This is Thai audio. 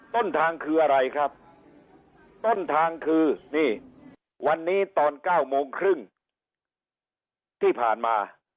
ต้นทางคืออะไรครับต้นทางคือนี่วันนี้ตอน๙โมงครึ่งที่ผ่านมา